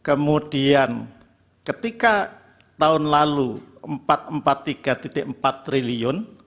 kemudian ketika tahun lalu empat ratus empat puluh tiga empat triliun